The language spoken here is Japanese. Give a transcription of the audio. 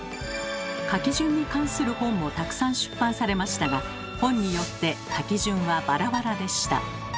書き順に関する本もたくさん出版されましたが本によって書き順はバラバラでした。